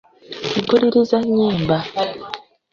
Mpuliriza nnyimba.